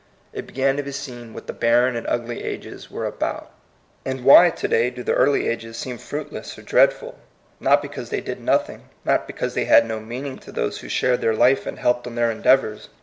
It began to be seen what the barren and ugly ages were about. And why, to day, do the early ages seem fruitless or dreadful? Not because they did nothing, not because they had no meaning to those who shared their life and helped on their endeavors.